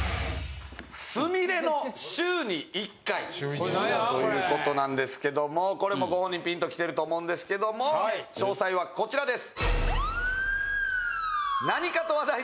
これ。という事なんですけどもこれもうご本人ピンときてると思うんですけども詳細はこちらです！